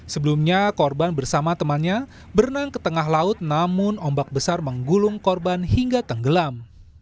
sebelumnya korban bersama temannya berenang ke tengah laut namun ombak besar menggulung korban hingga tenggelam